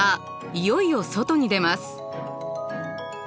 いよいよ外に出ます。